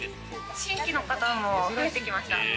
新規の方も増えてきました。